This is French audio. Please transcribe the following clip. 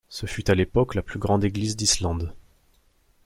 Ce fut à l’époque la plus grande église d’Islande.